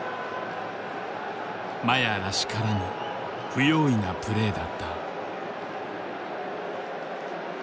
麻也らしからぬ不用意なプレーだった。